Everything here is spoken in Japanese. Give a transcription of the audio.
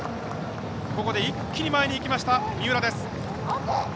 ここで一気に前にいきました三浦です。